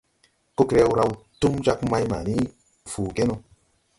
Kokrew raw túm jāg mày mani Fuugeno.